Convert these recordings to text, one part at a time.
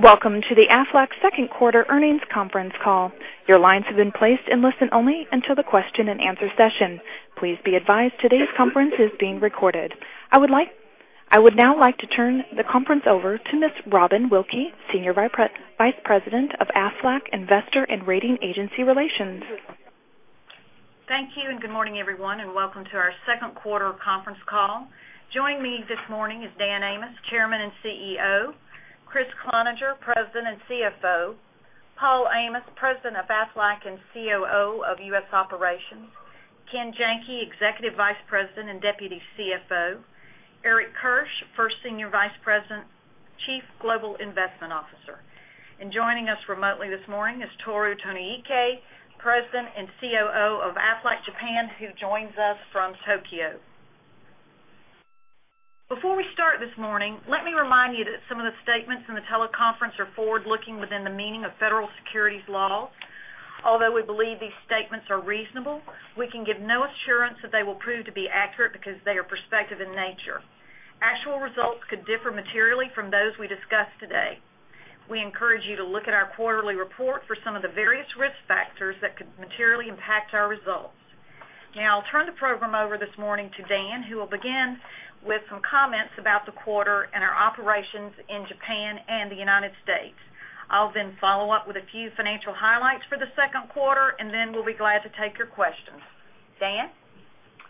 Welcome to the Aflac second quarter earnings conference call. Your lines have been placed in listen only until the question and answer session. Please be advised today's conference is being recorded. I would now like to turn the conference over to Ms. Robin Wilkey, Senior Vice President of Aflac Investor and Rating Agency Relations. Thank you, good morning, everyone, and welcome to our second quarter conference call. Joining me this morning is Dan Amos, Chairman and CEO, Kriss Cloninger, President and CFO, Paul Amos, President of Aflac and COO of U.S. Operations, Ken Janke, Executive Vice President and Deputy CFO, Eric Kirsch, First Senior Vice President, Chief Global Investment Officer. Joining us remotely this morning is Tohru Tonoike, President and COO of Aflac Japan, who joins us from Tokyo. Before we start this morning, let me remind you that some of the statements in the teleconference are forward-looking within the meaning of federal securities laws. Although we believe these statements are reasonable, we can give no assurance that they will prove to be accurate because they are prospective in nature. Actual results could differ materially from those we discuss today. We encourage you to look at our quarterly report for some of the various risk factors that could materially impact our results. Now I'll turn the program over this morning to Dan, who will begin with some comments about the quarter and our operations in Japan and the United States. I'll then follow up with a few financial highlights for the second quarter, we'll be glad to take your questions. Dan?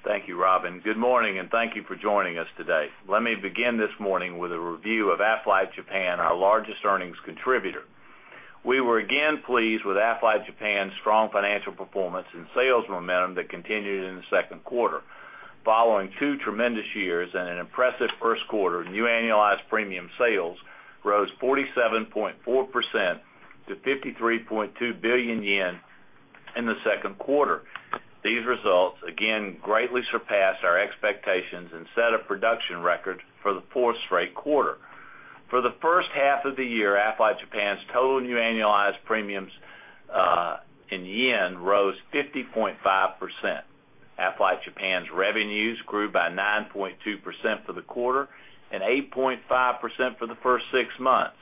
Thank you, Robin. Good morning, thank you for joining us today. Let me begin this morning with a review of Aflac Japan, our largest earnings contributor. We were again pleased with Aflac Japan's strong financial performance and sales momentum that continued in the second quarter. Following two tremendous years and an impressive first quarter, new annualized premium sales rose 47.4% to 53.2 billion yen in the second quarter. These results again greatly surpassed our expectations and set a production record for the fourth straight quarter. For the first half of the year, Aflac Japan's total new annualized premiums, in yen rose 50.5%. Aflac Japan's revenues grew by 9.2% for the quarter and 8.5% for the first six months.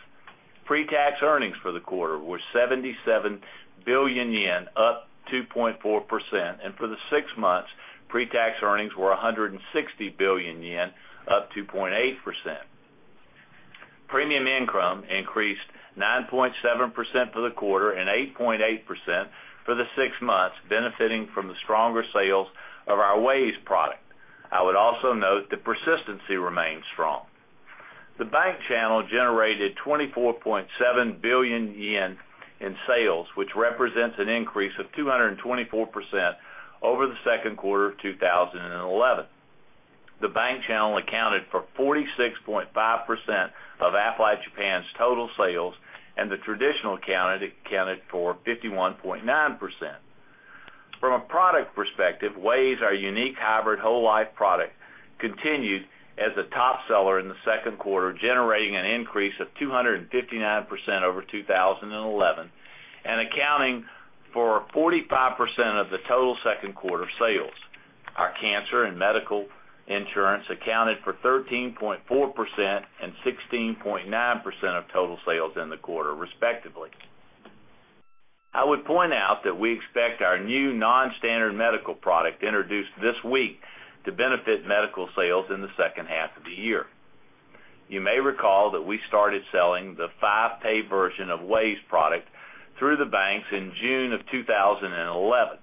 Pre-tax earnings for the quarter were 77 billion yen, up 2.4%, and for the six months, pre-tax earnings were 160 billion yen, up 2.8%. Premium income increased 9.7% for the quarter and 8.8% for the six months, benefiting from the stronger sales of our WAYS product. I would also note that persistency remains strong. The bank channel generated 24.7 billion yen in sales, which represents an increase of 224% over the second quarter of 2011. The bank channel accounted for 46.5% of Aflac Japan's total sales, and the traditional accounted for 51.9%. From a product perspective, WAYS, our unique hybrid whole life product, continued as a top seller in the second quarter, generating an increase of 259% over 2011 and accounting for 45% of the total second quarter sales. Our cancer and medical insurance accounted for 13.4% and 16.9% of total sales in the quarter, respectively. I would point out that we expect our new Gentle EVER introduced this week to benefit medical sales in the second half of the year. You may recall that we started selling the five-pay WAYS product through the banks in June of 2011.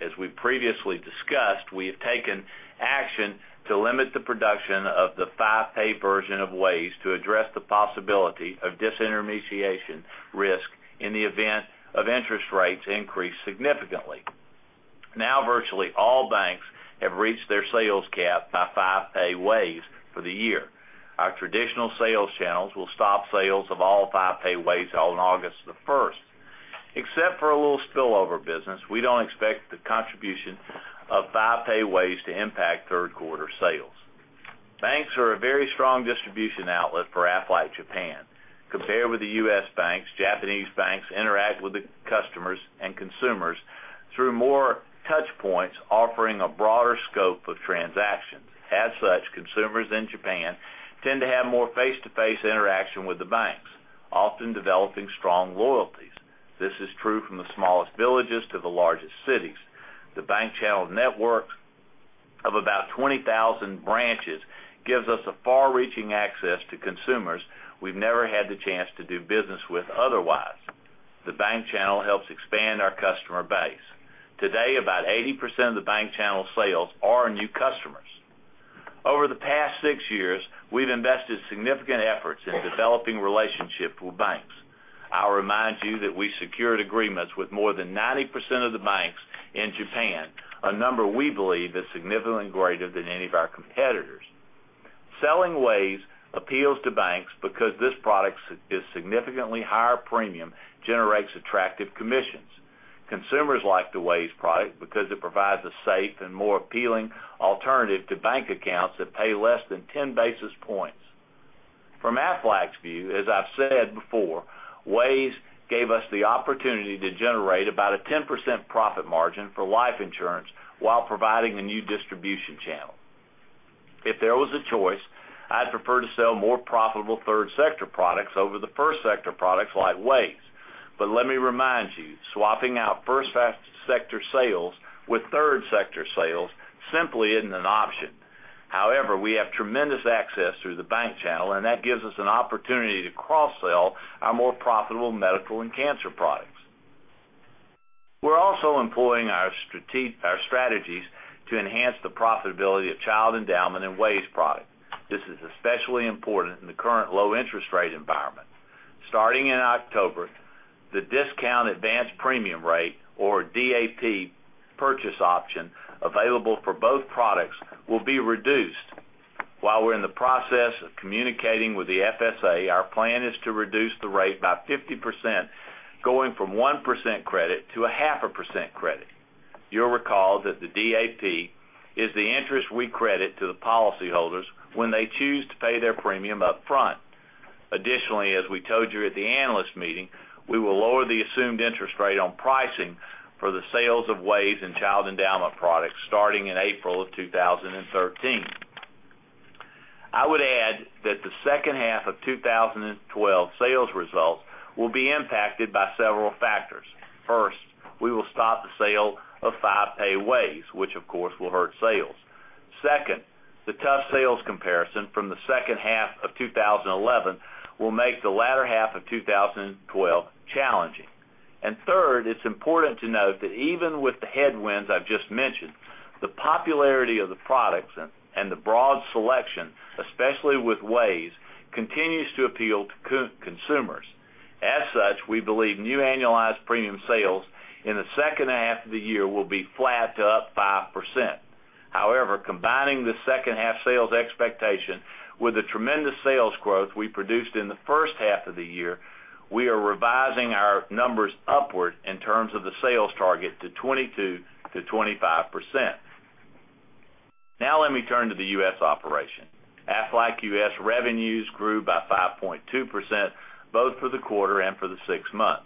As we previously discussed, we have taken action to limit the production of the five-pay WAYS to address the possibility of disintermediation risk in the event of interest rates increase significantly. Now, virtually all banks have reached their sales cap by five-pay WAYS for the year. Our traditional sales channels will stop sales of all five-pay WAYS on August 1st. Except for a little spillover business, we don't expect the contribution of five-pay WAYS to impact third quarter sales. Banks are a very strong distribution outlet for Aflac Japan. Compared with the U.S. banks, Japanese banks interact with the customers and consumers through more touchpoints, offering a broader scope of transactions. As such, consumers in Japan tend to have more face-to-face interaction with the banks, often developing strong loyalties. This is true from the smallest villages to the largest cities. The bank channel network of about 20,000 branches gives us a far-reaching access to consumers we've never had the chance to do business with otherwise. The bank channel helps expand our customer base. Today, about 80% of the bank channel sales are new customers. Over the past six years, we've invested significant efforts in developing relationships with banks. I'll remind you that we secured agreements with more than 90% of the banks in Japan, a number we believe is significantly greater than any of our competitors. Selling WAYS appeals to banks because this product's significantly higher premium generates attractive commissions. Consumers like the WAYS product because it provides a safe and more appealing alternative to bank accounts that pay less than 10 basis points. From Aflac's view, as I've said before, WAYS gave us the opportunity to generate about a 10% profit margin for life insurance while providing a new distribution channel. If there was a choice, I'd prefer to sell more profitable third sector products over the first sector products like WAYS. Let me remind you, swapping out first sector sales with third sector sales simply isn't an option. We have tremendous access through the bank channel, and that gives us an opportunity to cross-sell our more profitable medical and cancer products. We're also employing our strategies to enhance the profitability of child endowment and WAYS product. This is especially important in the current low interest rate environment. Starting in October, the discount advance premium rate or DAP purchase option available for both products will be reduced. While we're in the process of communicating with the FSA, our plan is to reduce the rate by 50%, going from 1% credit to 0.5% credit. You'll recall that the DAP is the interest we credit to the policyholders when they choose to pay their premium up front. Additionally, as we told you at the analyst meeting, we will lower the assumed interest rate on pricing for the sales of WAYS and child endowment products starting in April of 2013. I would add that the second half of 2012 sales results will be impacted by several factors. First, we will stop the sale of five-pay WAYS, which, of course, will hurt sales. Second, the tough sales comparison from the second half of 2011 will make the latter half of 2012 challenging. Third, it's important to note that even with the headwinds I've just mentioned, the popularity of the products and the broad selection, especially with WAYS, continues to appeal to consumers. As such, we believe new annualized premium sales in the second half of the year will be flat to up 5%. Combining the second half sales expectation with the tremendous sales growth we produced in the first half of the year, we are revising our numbers upward in terms of the sales target to 22%-25%. Let me turn to the U.S. operation. Aflac US revenues grew by 5.2%, both for the quarter and for the six months.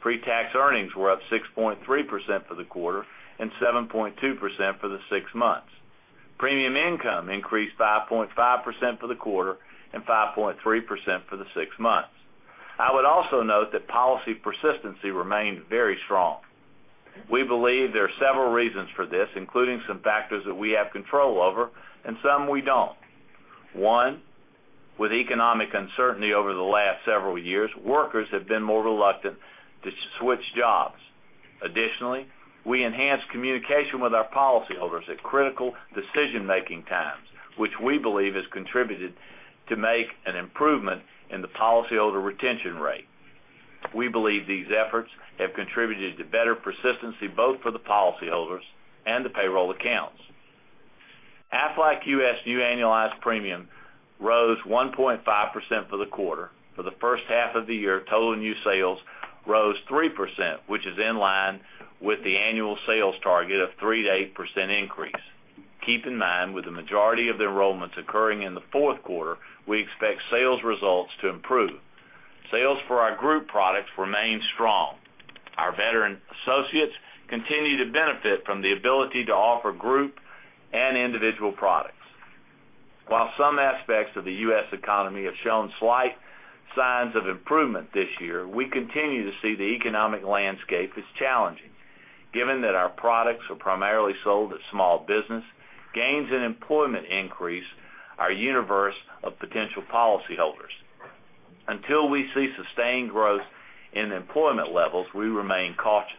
Pre-tax earnings were up 6.3% for the quarter and 7.2% for the six months. Premium income increased 5.5% for the quarter and 5.3% for the six months. I would also note that policy persistency remained very strong. We believe there are several reasons for this, including some factors that we have control over and some we don't. One, with economic uncertainty over the last several years, workers have been more reluctant to switch jobs. We enhance communication with our policyholders at critical decision-making times, which we believe has contributed to make an improvement in the policyholder retention rate. We believe these efforts have contributed to better persistency, both for the policyholders and the payroll accounts. Aflac US new annualized premium rose 1.5% for the quarter. For the first half of the year, total new sales rose 3%, which is in line with the annual sales target of 3%-8% increase. Keep in mind, with the majority of the enrollments occurring in the fourth quarter, we expect sales results to improve. Sales for our group products remain strong. Our veteran associates continue to benefit from the ability to offer group and individual products. While some aspects of the U.S. economy have shown slight signs of improvement this year, we continue to see the economic landscape as challenging. Given that our products are primarily sold as small business, gains in employment increase our universe of potential policyholders. Until we see sustained growth in employment levels, we remain cautious.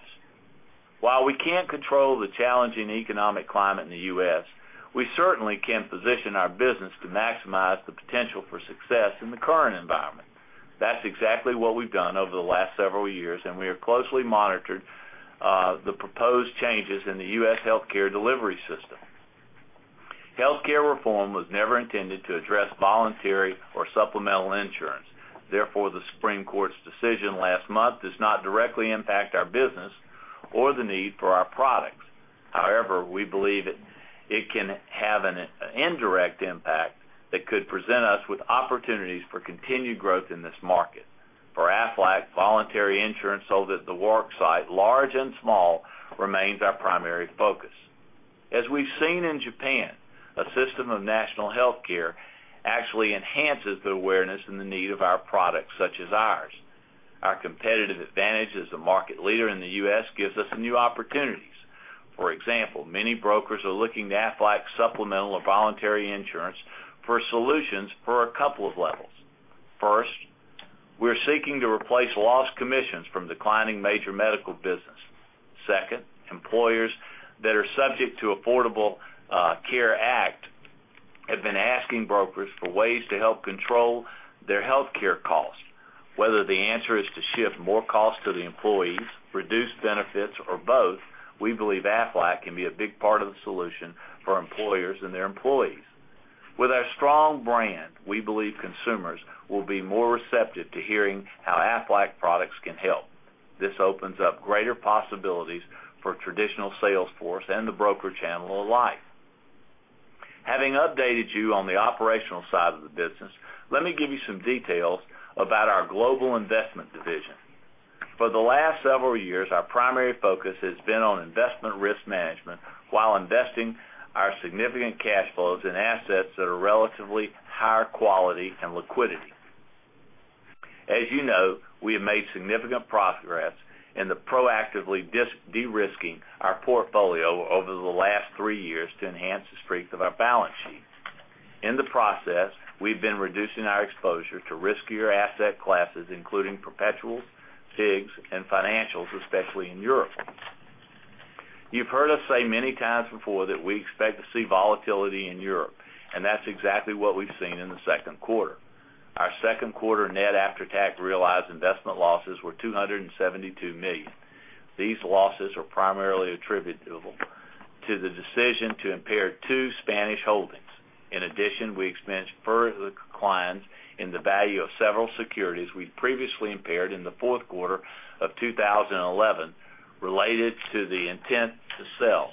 While we can't control the challenging economic climate in the U.S., we certainly can position our business to maximize the potential for success in the current environment. That's exactly what we've done over the last several years, and we have closely monitored the proposed changes in the U.S. healthcare delivery system. Healthcare reform was never intended to address voluntary or supplemental insurance. Therefore, the Supreme Court's decision last month does not directly impact our business or the need for our products. However, we believe it can have an indirect impact that could present us with opportunities for continued growth in this market. For Aflac, voluntary insurance sold at the work site, large and small, remains our primary focus. As we've seen in Japan, a system of national healthcare actually enhances the awareness and the need of products such as ours. Our competitive advantage as the market leader in the U.S. gives us new opportunities. For example, many brokers are looking to Aflac supplemental or voluntary insurance for solutions for a couple of levels. First, we're seeking to replace lost commissions from declining major medical business. Second, employers that are subject to Affordable Care Act have been asking brokers for ways to help control their healthcare costs. Whether the answer is to shift more costs to the employees, reduce benefits, or both, we believe Aflac can be a big part of the solution for employers and their employees. With our strong brand, we believe consumers will be more receptive to hearing how Aflac products can help. This opens up greater possibilities for traditional sales force and the broker channel alike. Having updated you on the operational side of the business, let me give you some details about our global investment division. For the last several years, our primary focus has been on investment risk management while investing our significant cash flows in assets that are relatively higher quality and liquidity. As you know, we have made significant progress in proactively de-risking our portfolio over the last three years to enhance the strength of our balance sheet. In the process, we've been reducing our exposure to riskier asset classes, including perpetuals, PIIGS, and financials, especially in Europe. You've heard us say many times before that we expect to see volatility in Europe, and that's exactly what we've seen in the second quarter. Our second quarter net after-tax realized investment losses were $272 million. These losses are primarily attributable to the decision to impair two Spanish holdings. In addition, we experienced further declines in the value of several securities we'd previously impaired in the fourth quarter of 2011 related to the intent to sell.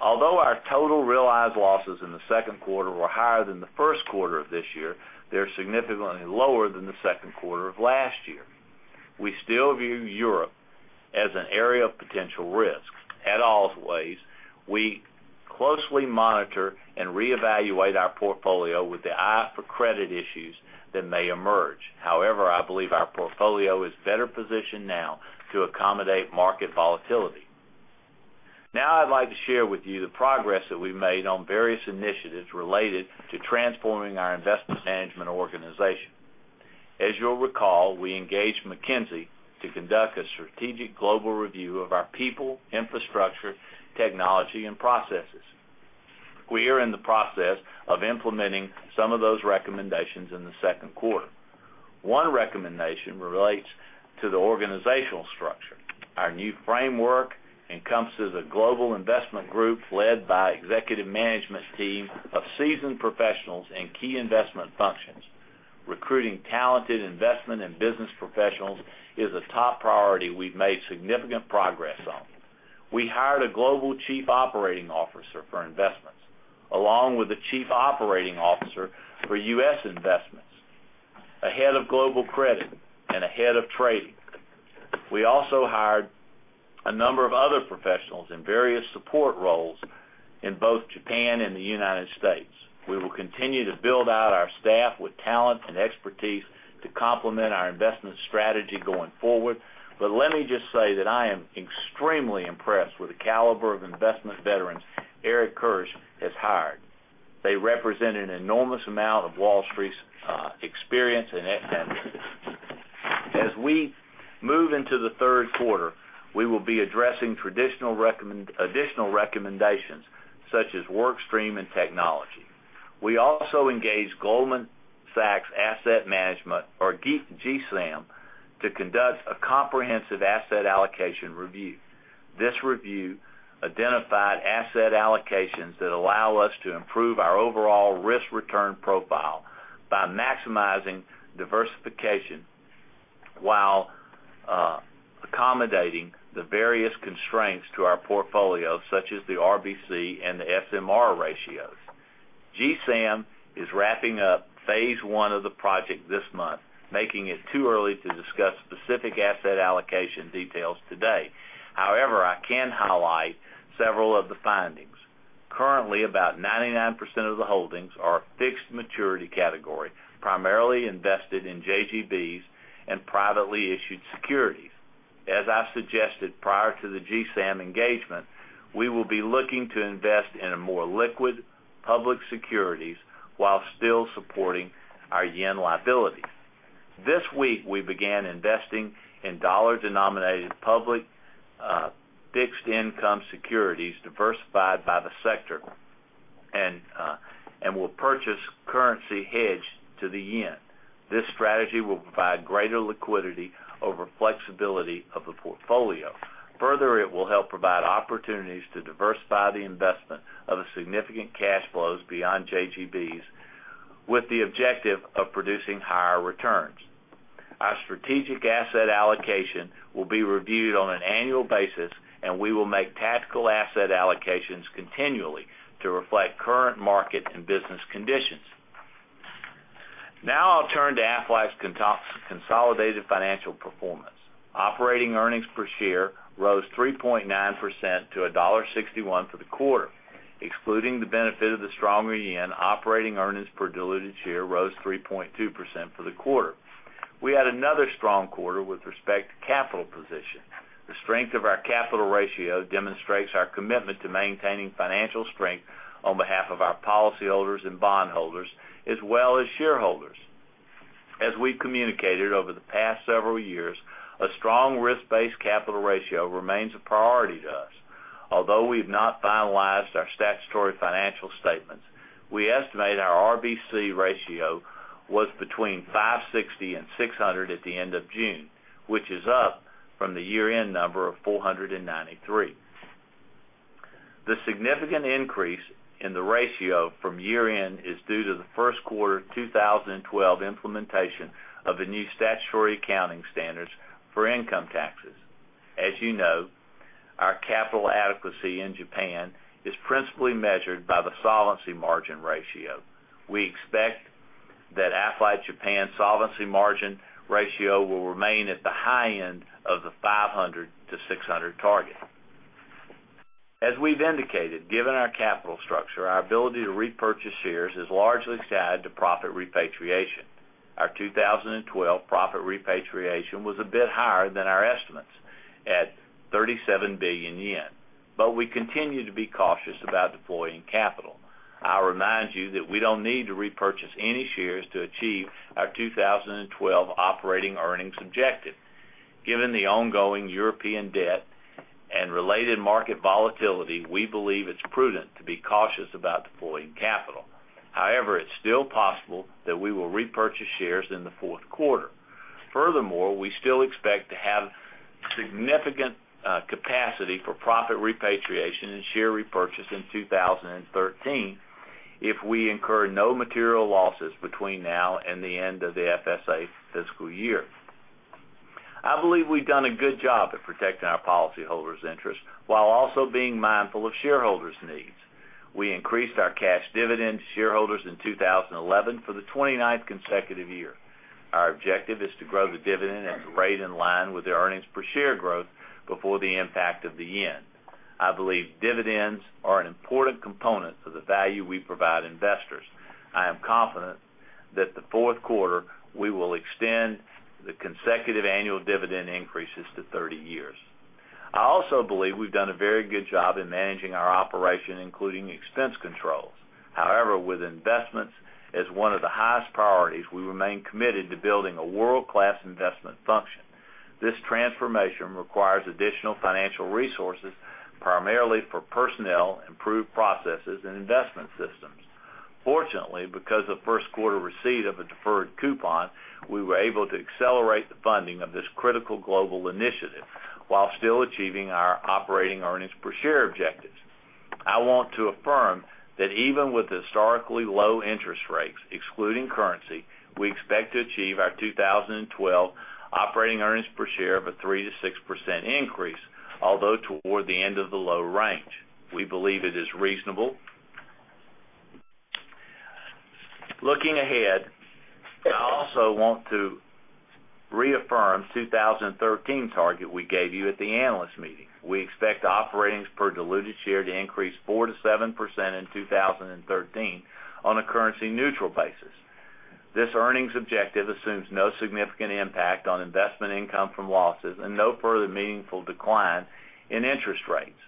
Although our total realized losses in the second quarter were higher than the first quarter of this year, they're significantly lower than the second quarter of last year. We still view Europe as an area of potential risk. Always, we closely monitor and reevaluate our portfolio with an eye for credit issues that may emerge. However, I believe our portfolio is better positioned now to accommodate market volatility. Now I'd like to share with you the progress that we've made on various initiatives related to transforming our investment management organization. As you'll recall, we engaged McKinsey to conduct a strategic global review of our people, infrastructure, technology, and processes. We are in the process of implementing some of those recommendations in the second quarter. One recommendation relates to the organizational structure. Our new framework encompasses a global investment group led by executive management team of seasoned professionals in key investment functions. Recruiting talented investment and business professionals is a top priority we've made significant progress on. We hired a global chief operating officer for investments, along with a chief operating officer for U.S. investments, a head of global credit, and a head of trading. We also hired a number of other professionals in various support roles in both Japan and the United States. We will continue to build out our staff with talent and expertise to complement our investment strategy going forward. Let me just say that I am extremely impressed with the caliber of investment veterans Eric Kirsch has hired. They represent an enormous amount of Wall Street's experience and expertise. As we move into the third quarter, we will be addressing additional recommendations, such as work stream and technology. We also engaged Goldman Sachs Asset Management, or GSAM, to conduct a comprehensive asset allocation review. This review identified asset allocations that allow us to improve our overall risk-return profile by maximizing diversification while accommodating the various constraints to our portfolio, such as the RBC and the SMR ratios. GSAM is wrapping up phase 1 of the project this month, making it too early to discuss specific asset allocation details today. However, I can highlight several of the findings. Currently, about 99% of the holdings are fixed maturity category, primarily invested in JGBs and privately issued securities. I suggested prior to the GSAM engagement, we will be looking to invest in a more liquid public securities while still supporting our JPY liability. This week, we began investing in USD-denominated public fixed income securities diversified by the sector and will purchase currency hedged to the JPY. This strategy will provide greater liquidity over flexibility of the portfolio. Further, it will help provide opportunities to diversify the investment of the significant cash flows beyond JGBs with the objective of producing higher returns. Our strategic asset allocation will be reviewed on an annual basis, and we will make tactical asset allocations continually to reflect current market and business conditions. Now I'll turn to Aflac's consolidated financial performance. Operating earnings per share rose 3.9% to $1.61 for the quarter. Excluding the benefit of the stronger JPY, operating earnings per diluted share rose 3.2% for the quarter. We had another strong quarter with respect to capital position. The strength of our capital ratio demonstrates our commitment to maintaining financial strength on behalf of our policyholders and bondholders, as well as shareholders. We communicated over the past several years, a strong risk-based capital ratio remains a priority to us. Although we've not finalized our statutory financial statements, we estimate our RBC ratio was between 560-600 at the end of June, which is up from the year-end number of 493. The significant increase in the ratio from year-end is due to the first quarter 2012 implementation of the new statutory accounting standards for income tax. You know, our capital adequacy in Japan is principally measured by the solvency margin ratio. We expect that Aflac Japan's solvency margin ratio will remain at the high end of the 500-600 target. As we've indicated, given our capital structure, our ability to repurchase shares is largely tied to profit repatriation. Our 2012 profit repatriation was a bit higher than our estimates at ¥37 billion, but we continue to be cautious about deploying capital. I'll remind you that we don't need to repurchase any shares to achieve our 2012 operating earnings objective. Given the ongoing European debt and related market volatility, we believe it's prudent to be cautious about deploying capital. However, it's still possible that we will repurchase shares in the fourth quarter. Furthermore, we still expect to have significant capacity for profit repatriation and share repurchase in 2013 if we incur no material losses between now and the end of the FSA fiscal year. I believe we've done a good job at protecting our policyholders' interests while also being mindful of shareholders' needs. We increased our cash dividend to shareholders in 2011 for the 29th consecutive year. Our objective is to grow the dividend at a rate in line with the earnings per share growth before the impact of the yen. I believe dividends are an important component of the value we provide investors. I am confident that in the fourth quarter, we will extend the consecutive annual dividend increases to 30 years. I also believe we've done a very good job in managing our operation, including expense controls. However, with investments as one of the highest priorities, we remain committed to building a world-class investment function. This transformation requires additional financial resources, primarily for personnel, improved processes, and investment systems. Fortunately, because of first quarter receipt of a deferred coupon, we were able to accelerate the funding of this critical global initiative while still achieving our operating earnings per share objectives. I want to affirm that even with historically low interest rates, excluding currency, we expect to achieve our 2012 operating earnings per share of a 3%-6% increase, although toward the end of the low range. We believe it is reasonable. Looking ahead, I also want to reaffirm 2013 target we gave you at the analyst meeting. We expect earnings per diluted share to increase 4%-7% in 2013 on a currency-neutral basis. This earnings objective assumes no significant impact on investment income from losses and no further meaningful decline in interest rates.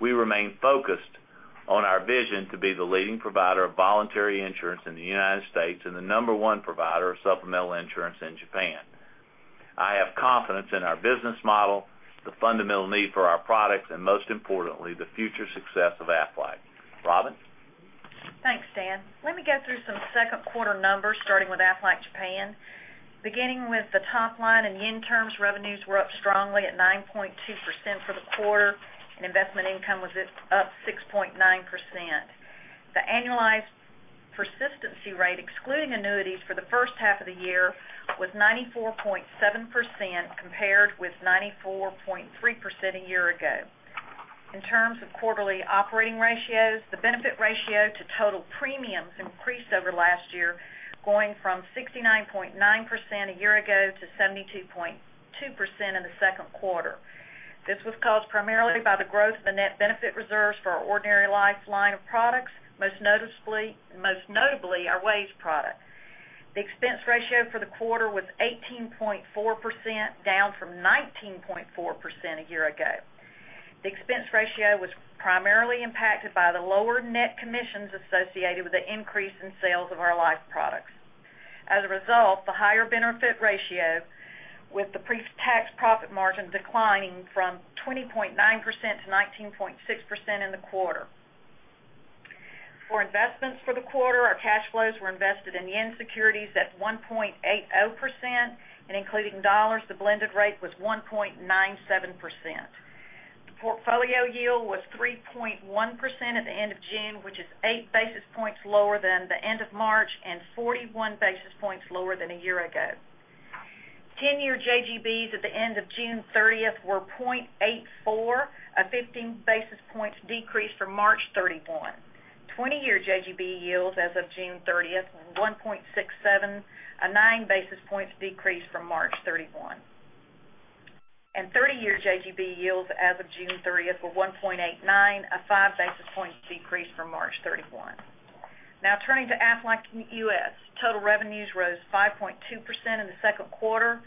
We remain focused on our vision to be the leading provider of voluntary insurance in the U.S. and the number one provider of supplemental insurance in Japan. I have confidence in our business model, the fundamental need for our products, and most importantly, the future success of Aflac. Robin. Thanks, Dan. Let me go through some second quarter numbers, starting with Aflac Japan. Beginning with the top line in yen terms, revenues were up strongly at 9.2% for the quarter, and investment income was up 6.9%. The annualized persistency rate, excluding annuities for the first half of the year, was 94.7%, compared with 94.3% a year ago. In terms of quarterly operating ratios, the benefit ratio to total premiums increased over last year, going from 69.9% a year ago to 72.2% in the second quarter. This was caused primarily by the growth of the net benefit reserves for our ordinary life line of products, most notably our WAYS product. The expense ratio for the quarter was 18.4%, down from 19.4% a year ago. The expense ratio was primarily impacted by the lower net commissions associated with the increase in sales of our life products. As a result, the higher benefit ratio with the pre-tax profit margin declining from 20.9% to 19.6% in the quarter. For investments for the quarter, our cash flows were invested in JPY securities at 1.80%, and including USD, the blended rate was 1.97%. The portfolio yield was 3.1% at the end of June, which is 8 basis points lower than the end of March and 41 basis points lower than a year ago. 10-year JGBs at the end of June 30th were 0.84, a 15 basis points decrease from March 31. 20-year JGB yields as of June 30th was 1.67, a 9 basis points decrease from March 31. 30-year JGB yields as of June 30th were 1.89, a 5 basis points decrease from March 31. Turning to Aflac US, total revenues rose 5.2% in the second quarter.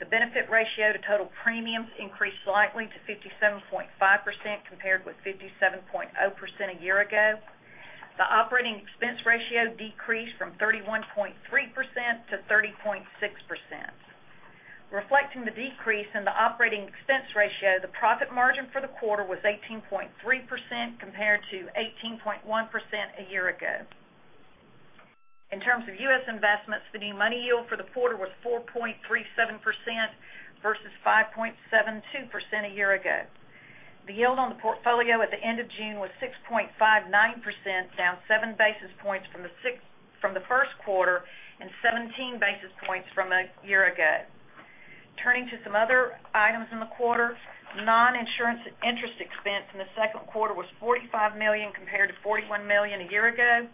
The benefit ratio to total premiums increased slightly to 57.5%, compared with 57.0% a year ago. The operating expense ratio decreased from 31.3% to 30.6%. Reflecting the decrease in the operating expense ratio, the profit margin for the quarter was 18.3% compared to 18.1% a year ago. In terms of U.S. investments, the new money yield for the quarter was 4.37% versus 5.72% a year ago. The yield on the portfolio at the end of June was 6.59%, down 7 basis points from the first quarter, and 17 basis points from a year ago. Turning to some other items in the quarter. Non-insurance interest expense in the second quarter was $45 million compared to $41 million a year ago.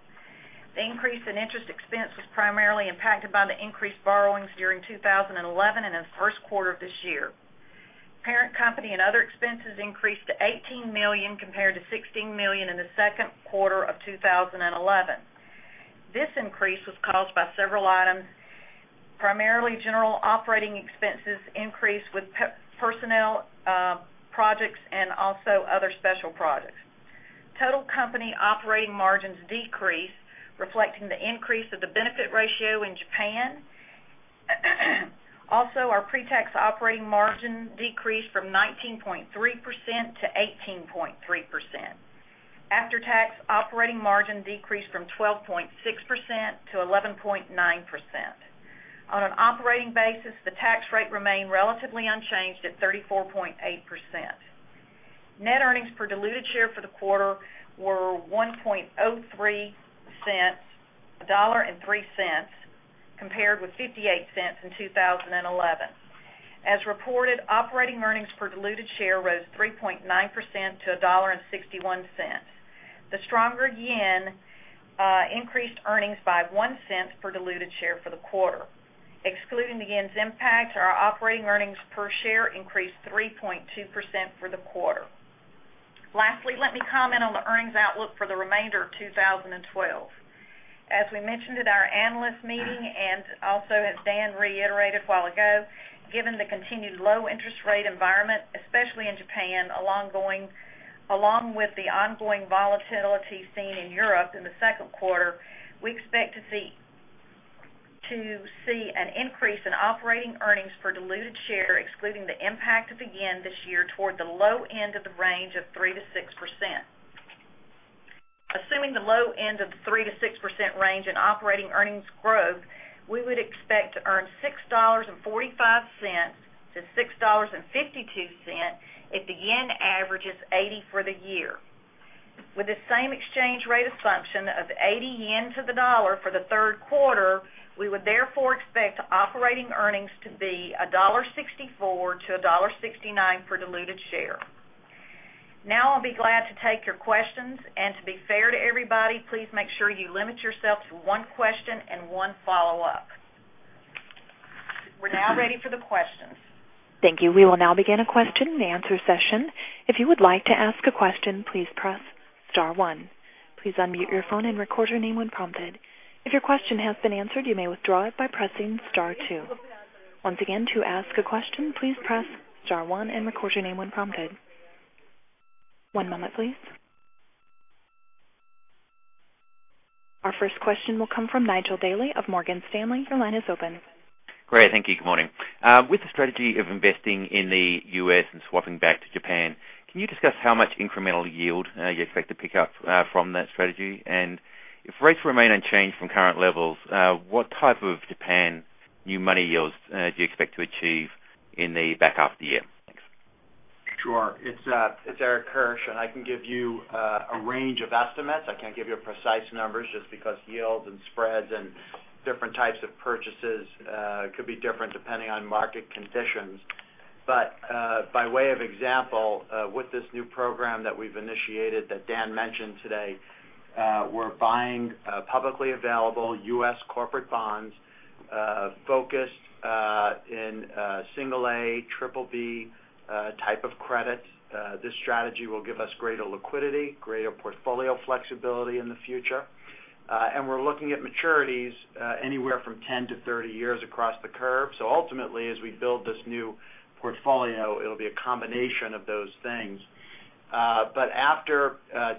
The increase in interest expense was primarily impacted by the increased borrowings during 2011 and in the first quarter of this year. Parent company and other expenses increased to $18 million compared to $16 million in the second quarter of 2011. This increase was caused by several items, primarily general operating expenses increased with personnel projects and also other special projects. Total company operating margins decreased, reflecting the increase of the benefit ratio in Japan. Also, our pre-tax operating margin decreased from 19.3% to 18.3%. After-tax operating margin decreased from 12.6% to 11.9%. On an operating basis, the tax rate remained relatively unchanged at 34.8%. Net earnings per diluted share for the quarter were $1.03 compared with $0.58 in 2011. As reported, operating earnings per diluted share rose 3.9% to $1.61. The stronger JPY increased earnings by $0.01 per diluted share for the quarter. Excluding the JPY's impact, our operating earnings per share increased 3.2% for the quarter. Lastly, let me comment on the earnings outlook for the remainder of 2012. As we mentioned at our analyst meeting, and also as Dan reiterated a while ago, given the continued low interest rate environment, especially in Japan, along with the ongoing volatility seen in Europe in the second quarter, we expect to see an increase in operating earnings per diluted share, excluding the impact of the JPY this year, toward the low end of the range of 3%-6%. Assuming the low end of the 3%-6% range in operating earnings growth, we would expect to earn $6.45-$6.52 if the JPY averages 80 for the year. With the same exchange rate assumption of 80 yen to the USD for the third quarter, we would therefore expect operating earnings to be $1.64-$1.69 per diluted share. I'll be glad to take your questions. To be fair to everybody, please make sure you limit yourself to one question and one follow-up. We're now ready for the questions. Thank you. We will now begin a question and answer session. If you would like to ask a question, please press *1. Please unmute your phone and record your name when prompted. If your question has been answered, you may withdraw it by pressing *2. Once again, to ask a question, please press *1 and record your name when prompted. One moment please. Our first question will come from Nigel Dally of Morgan Stanley. Your line is open. Great. Thank you. Good morning. With the strategy of investing in the U.S. and swapping back to Japan, can you discuss how much incremental yield you expect to pick up from that strategy? If rates remain unchanged from current levels, what type of Japan new money yields do you expect to achieve in the back half of the year? Thanks. Sure. It's Eric Kirsch, I can give you a range of estimates. I can't give you precise numbers just because yields and spreads and different types of purchases could be different depending on market conditions. By way of example, with this new program that we've initiated that Dan mentioned today, we're buying publicly available U.S. corporate bonds focused in single A, triple B type of credit. This strategy will give us greater liquidity, greater portfolio flexibility in the future. We're looking at maturities anywhere from 10 to 30 years across the curve. Ultimately, as we build this new portfolio, it'll be a combination of those things. After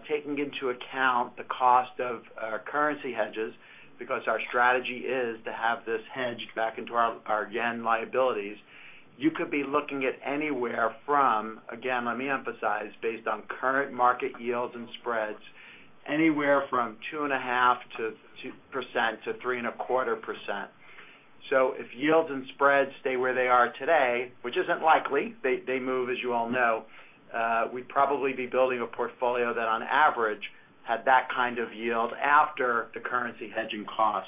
taking into account the cost of our currency hedges, because our strategy is to have this hedged back into our yen liabilities, you could be looking at anywhere from, again, let me emphasize, based on current market yields and spreads, anywhere from 2.5%-3.25%. If yields and spreads stay where they are today, which isn't likely, they move, as you all know, we'd probably be building a portfolio that on average, had that kind of yield after the currency hedging cost.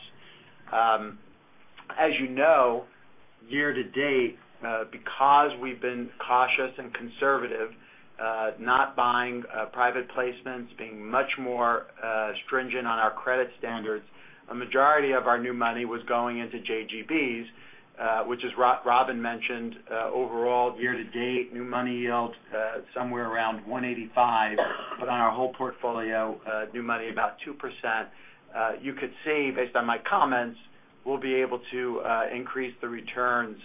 As you know, year to date, because we've been cautious and conservative, not buying private placements, being much more stringent on our credit standards, a majority of our new money was going into JGBs which as Robin mentioned, overall year to date, new money yield somewhere around 185, but on our whole portfolio, new money about 2%. You could see, based on my comments, we'll be able to increase the returns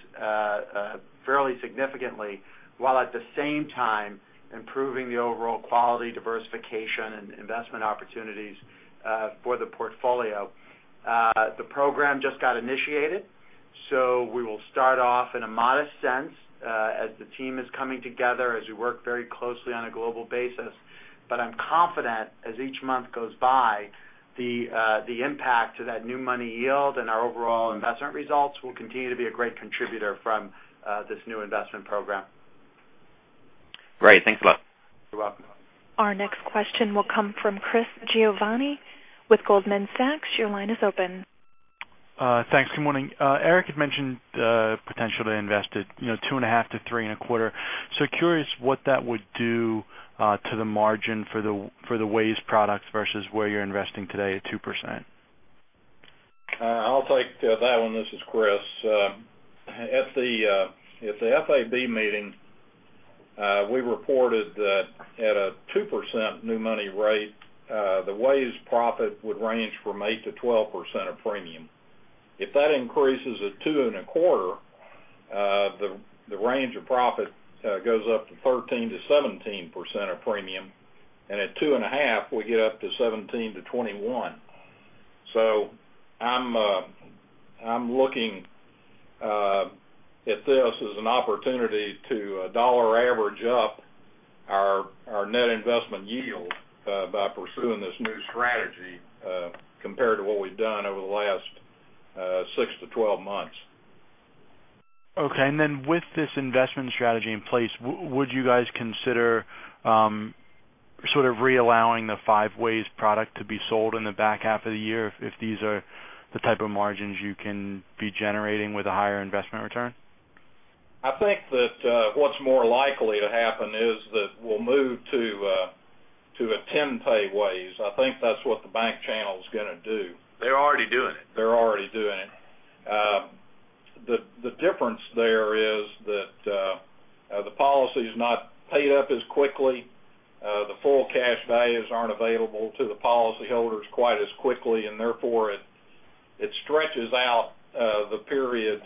fairly significantly, while at the same time improving the overall quality, diversification, and investment opportunities for the portfolio. The program just got initiated, so we will start off in a modest sense as the team is coming together, as we work very closely on a global basis. I'm confident as each month goes by, the impact to that new money yield and our overall investment results will continue to be a great contributor from this new investment program. Great. Thanks a lot. You're welcome. Our next question will come from Chris Giovanni with Goldman Sachs. Your line is open. Thanks. Good morning. Eric had mentioned potentially invested 2.5%-3.25%. Curious what that would do to the margin for the WAYS products versus where you're investing today at 2%? I'll take that one. This is Kriss. At the FAB meeting, we reported that at a 2% new money rate, the WAYS profit would range from 8%-12% of premium. If that increases at 2.25%, the range of profit goes up to 13%-17% of premium, and at 2.5%, we get up to 17%-21%. I'm looking at this as an opportunity to dollar average up our net investment yield by pursuing this new strategy compared to what we've done over the last six to 12 months. Okay. With this investment strategy in place, would you guys consider sort of reallowing the 5-WAYS product to be sold in the back half of the year if these are the type of margins you can be generating with a higher investment return? I think that what's more likely to happen is that we'll move to a 10-pay WAYS. I think that's what the bank channel's going to do. They're already doing it. They're already doing it. The difference there is that the policy's not paid up as quickly. The full cash values aren't available to the policyholders quite as quickly, and therefore it stretches out the period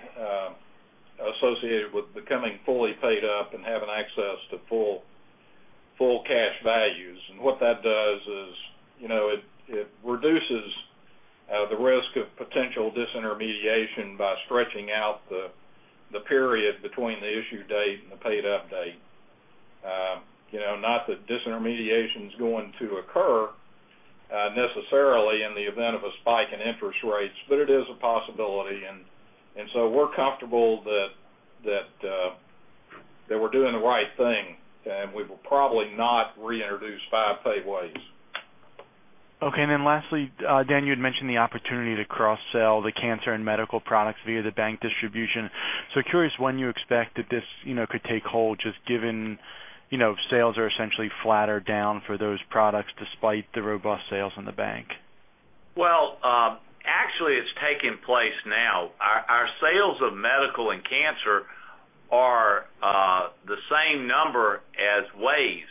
associated with becoming fully paid up and having access to full cash values. What that does is it reduces the risk of potential disintermediation by stretching out the period between the issue date and the paid-up date. Not that disintermediation's going to occur necessarily in the event of a spike in interest rates, but it is a possibility, and so we're comfortable that we're doing the right thing, and we will probably not reintroduce 5-Pay WAYS. Okay. Lastly, Dan, you had mentioned the opportunity to cross-sell the cancer and medical products via the bank distribution. Curious when you expect that this could take hold, just given sales are essentially flat or down for those products despite the robust sales in the bank. Actually it's taking place now. Our sales of WAYS and cancer are the same number as WAYS.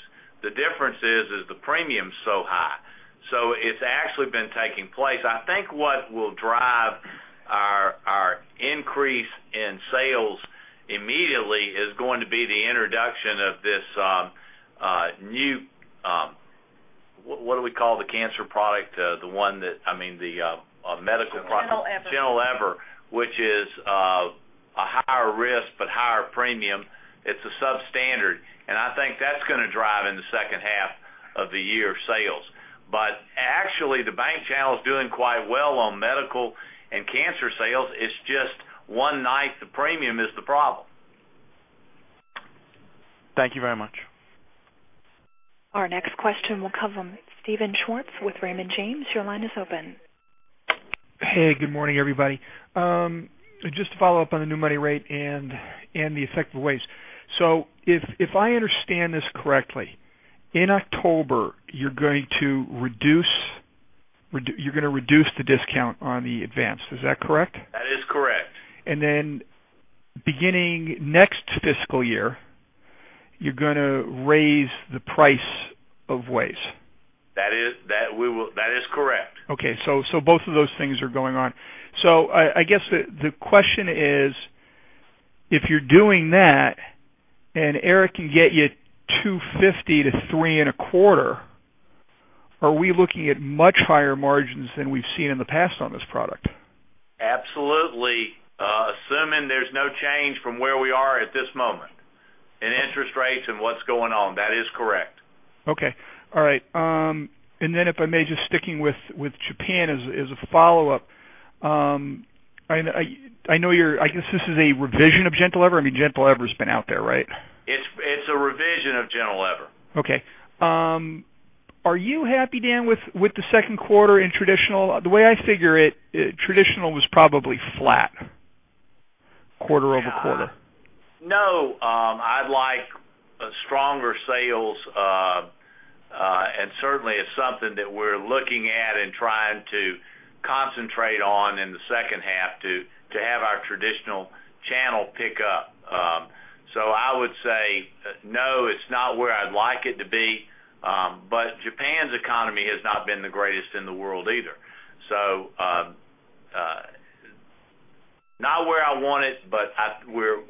The difference is the premium's so high. It's actually been taking place. I think what will drive our increase in sales immediately is going to be the introduction of this new what do we call the cancer product? The medical product. Gentle EVER. Gentle EVER, which is a higher risk, but higher premium. It's a substandard, and I think that's going to drive in the second half of the year sales. Actually, the bank channel's doing quite well on medical and cancer sales. It's just one ninth the premium is the problem. Thank you very much. Our next question will come from Steven Schwartz with Raymond James. Your line is open. Hey, good morning, everybody. Just to follow up on the new money rate and the effect of WAYS. If I understand this correctly, in October you're going to reduce the discount on the advance. Is that correct? That is correct. Beginning next fiscal year, you're going to raise the price of WAYS. That is correct. Okay. Both of those things are going on. I guess the question is if you're doing that and Eric can get you 250 to 325, are we looking at much higher margins than we've seen in the past on this product? Absolutely. Assuming there's no change from where we are at this moment in interest rates and what's going on, that is correct. Okay. All right. If I may, just sticking with Japan as a follow-up. I guess this is a revision of Gentle EVER? I mean, Gentle EVER's been out there, right? It's a revision of Gentle EVER. Okay. Are you happy, Dan, with the second quarter in traditional? The way I figure it, traditional was probably flat quarter-over-quarter. No, I'd like stronger sales. Certainly, it's something that we're looking at and trying to concentrate on in the second half to have our traditional channel pick up. I would say no, it's not where I'd like it to be. Japan's economy has not been the greatest in the world either. Not where I want it, but we're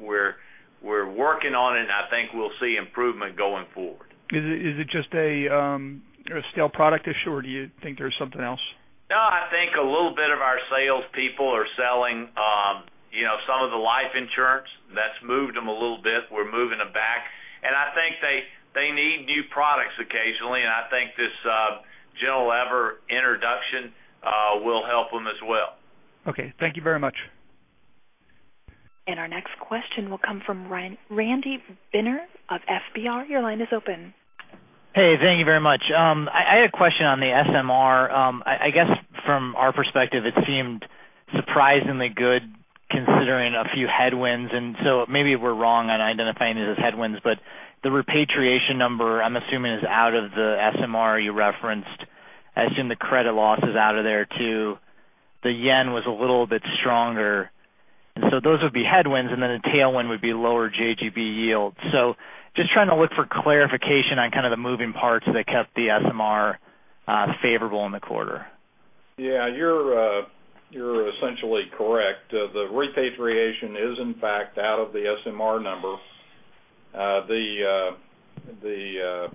working on it, and I think we'll see improvement going forward. Is it just a stale product issue, or do you think there's something else? No, I think a little bit of our salespeople are selling some of the life insurance. That's moved them a little bit. We're moving them back. I think they need new products occasionally, and I think this Gentle EVER introduction will help them as well. Okay. Thank you very much. Our next question will come from Randy Binner of FBR. Your line is open. Hey, thank you very much. I had a question on the SMR. I guess from our perspective, it seemed surprisingly good considering a few headwinds, maybe we're wrong on identifying it as headwinds, but the repatriation number, I'm assuming, is out of the SMR you referenced. I assume the credit loss is out of there too. The yen was a little bit stronger, those would be headwinds, and then a tailwind would be lower JGB yield. Just trying to look for clarification on kind of the moving parts that kept the SMR favorable in the quarter. Yeah, you're essentially correct. The repatriation is, in fact, out of the SMR number. The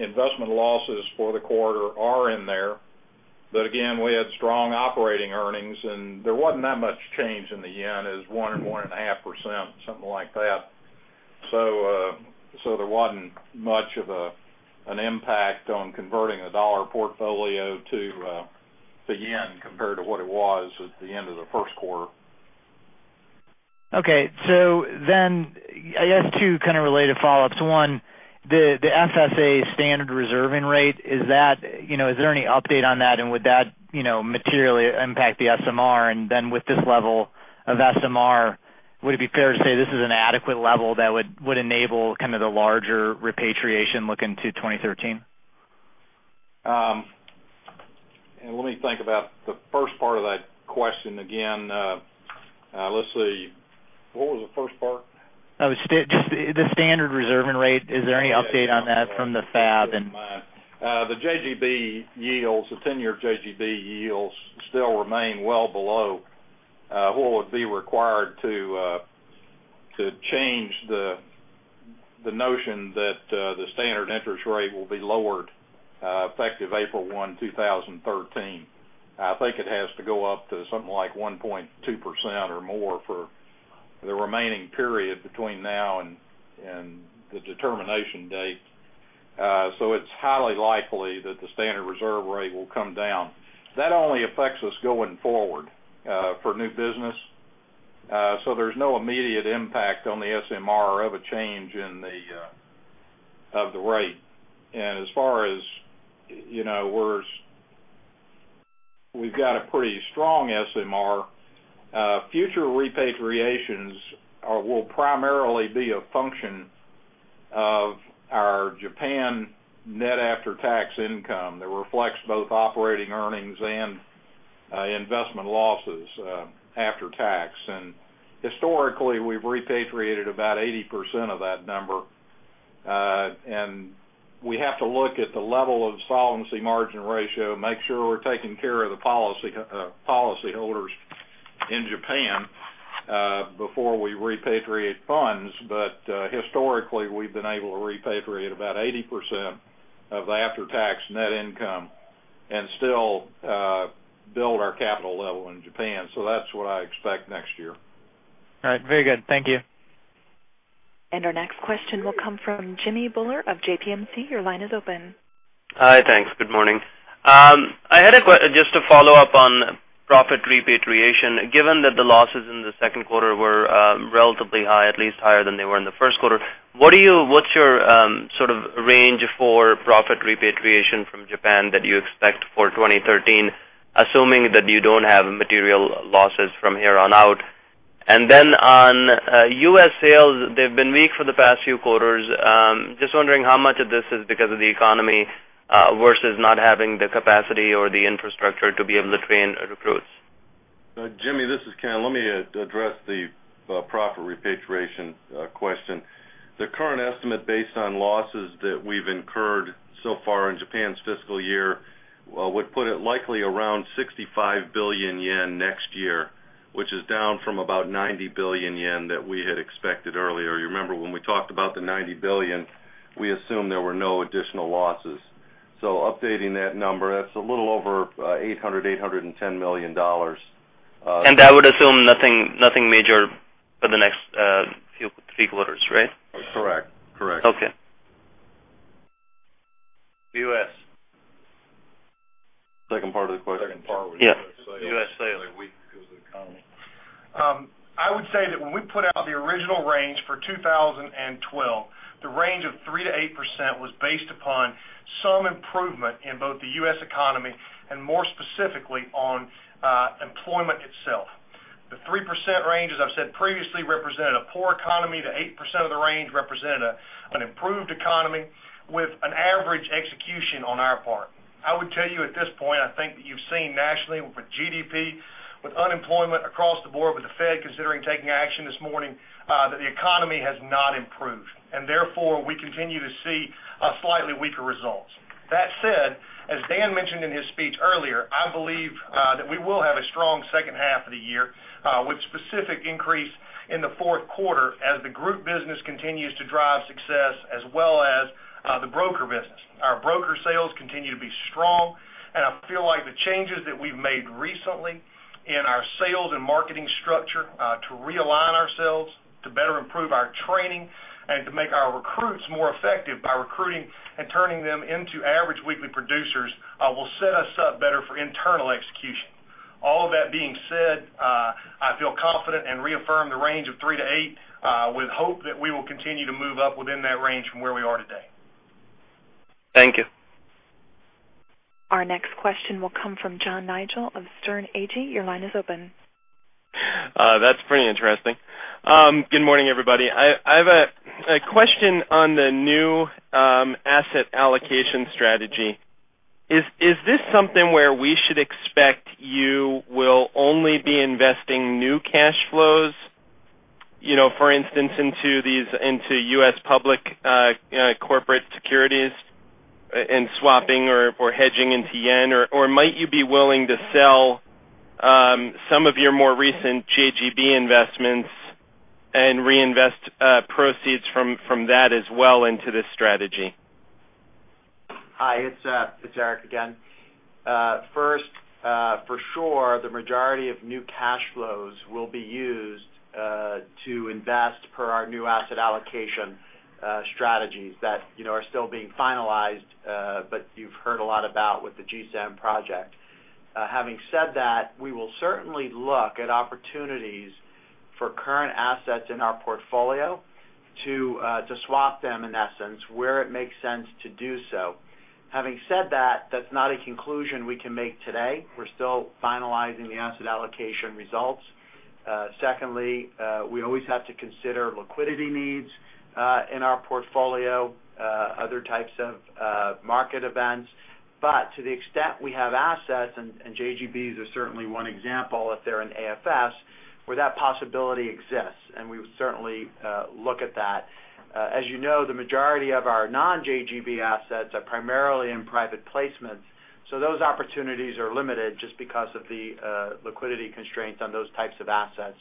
investment losses for the quarter are in there. Again, we had strong operating earnings, and there wasn't that much change in the yen. It was 1 or 1.5%, something like that. There wasn't much of an impact on converting a dollar portfolio to the yen compared to what it was at the end of the first quarter. Okay. I guess two kind of related follow-ups. One, the Financial Services Agency standard reserving rate, is there any update on that and would that materially impact the SMR? With this level of SMR, would it be fair to say this is an adequate level that would enable kind of the larger repatriation look into 2013? Let me think about the first part of that question again. Let's see. What was the first part? Oh, just the standard reserving rate. Is there any update on that from the FAB? The JGB yields, the 10-year JGB yields still remain well below what would be required to change the notion that the standard interest rate will be lowered effective April 1, 2013. I think it has to go up to something like 1.2% or more for the remaining period between now and the determination date. It's highly likely that the standard reserve rate will come down. That only affects us going forward for new business. There's no immediate impact on the SMR of a change of the rate. As far as we've got a pretty strong SMR. Future repatriations will primarily be a function of our Japan net after-tax income that reflects both operating earnings and investment losses after tax. Historically, we've repatriated about 80% of that number. We have to look at the level of solvency margin ratio, make sure we're taking care of the policyholders in Japan before we repatriate funds. Historically, we've been able to repatriate about 80% of the after-tax net income and still build our capital level in Japan. That's what I expect next year. All right. Very good. Thank you. Our next question will come from Jimmy Bhullar of JPMC. Your line is open. Hi. Thanks. Good morning. Just to follow up on profit repatriation, given that the losses in the second quarter were relatively high, at least higher than they were in the first quarter, what's your sort of range for profit repatriation from Japan that you expect for 2013, assuming that you don't have material losses from here on out? On U.S. sales, they've been weak for the past few quarters. Just wondering how much of this is because of the economy versus not having the capacity or the infrastructure to be able to train recruits. Jimmy, this is Ken Janke. Let me address the profit repatriation question. The current estimate based on losses that we've incurred so far in Japan's fiscal year would put it likely around 65 billion yen next year, which is down from about 90 billion yen that we had expected earlier. You remember when we talked about the 90 billion, we assumed there were no additional losses. Updating that number, that's a little over 800 million, JPY 810 million. That would assume nothing major for the next few quarters, right? Correct. Okay. The U.S. Second part of the question. Yes. The U.S. sales. They're weak because of the economy. I would say that when we put out the original range for 2012, the range of 3%-8% was based upon some improvement in both the U.S. economy and more specifically on employment itself. The 3% range, as I've said previously, represented a poor economy. The 8% of the range represented an improved economy with an average execution on our part. I would tell you at this point, I think that you've seen nationally with GDP, with unemployment across the board, with the Fed considering taking action this morning, that the economy has not improved, and therefore, we continue to see slightly weaker results. That said, as Dan mentioned in his speech earlier, I believe that we will have a strong second half of the year with specific increase in the fourth quarter as the group business continues to drive success as well as the broker business. Our broker sales continue to be strong, I feel like the changes that we've made recently in our sales and marketing structure to realign To better improve our training and to make our recruits more effective by recruiting and turning them into average weekly producers will set us up better for internal execution. All of that being said, I feel confident and reaffirm the range of three to eight, with hope that we will continue to move up within that range from where we are today. Thank you. Our next question will come from John Nadel of Sterne Agee. Your line is open. That's pretty interesting. Good morning, everybody. I have a question on the new asset allocation strategy. Is this something where we should expect you will only be investing new cash flows, for instance, into U.S. public corporate securities in swapping or hedging into JPY? Or might you be willing to sell some of your more recent JGB investments and reinvest proceeds from that as well into this strategy? Hi, it's Eric again. First, for sure, the majority of new cash flows will be used to invest per our new asset allocation strategies that are still being finalized, but you've heard a lot about with the GSAM project. Having said that, we will certainly look at opportunities for current assets in our portfolio to swap them, in essence, where it makes sense to do so. Having said that's not a conclusion we can make today. We're still finalizing the asset allocation results. Secondly, we always have to consider liquidity needs in our portfolio, other types of market events. To the extent we have assets, and JGBs are certainly one example if they're in AFS, where that possibility exists, and we would certainly look at that. As you know, the majority of our non-JGB assets are primarily in private placements, those opportunities are limited just because of the liquidity constraints on those types of assets.